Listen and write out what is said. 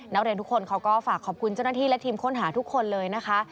นักเรียนทุกคนเขาก็ฝากขอบคุณเจ้าหน้าที่และทีมค้นหาทุกคนเลยนะคะ